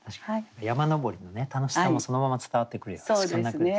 山登りの楽しさもそのまま伝わってくるようなそんな句でしたね。